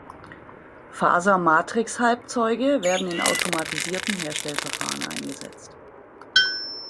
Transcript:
Faser-Matrix-Halbzeuge werden in automatisierten Herstellverfahren eingesetzt.